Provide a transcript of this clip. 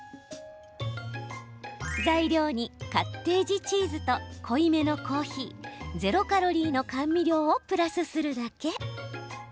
材料にカッテージチーズと濃いめのコーヒーゼロカロリーの甘味料をプラスするだけ。